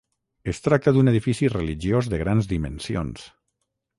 Es tracta d'un edifici religiós de grans dimensions.